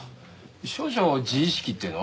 少々自意識っていうの？